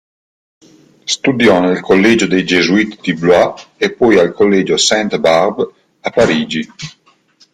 Studiò nel collegio dei Gesuiti di Blois e poi al collegio Sainte-Barbe a Parigi.